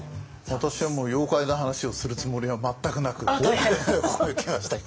私は妖怪の話をするつもりは全くなくここへ来ましたけど。